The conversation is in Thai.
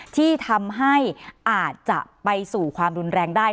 ที่ทำให้อาจจะไปสู่ความรุนแรงได้